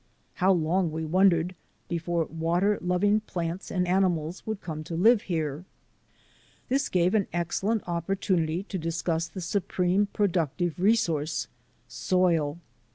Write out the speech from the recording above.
How long, we wondered, before water loving plants and ani mals would come to live here. This gave an excellent opportunity to discuss the supreme productive resource — soil.